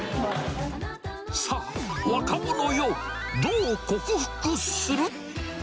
さあ、若者よ、どう克服する？